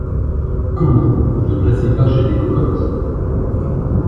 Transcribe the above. Comment ! vous ne placez pas chez des cocottes !